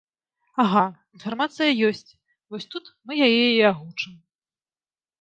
Ага, інфармацыя ёсць, вось тут мы яе і агучым.